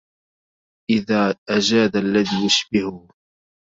إذا أجاد الذي يشبهه